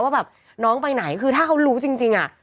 ว่าแบบน้องไปไหนคือถ้าเขารู้จริงอ่ะ